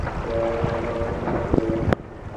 তাহার সমস্ত হৃদয় বিদ্রোহী হইয়া উঠিল।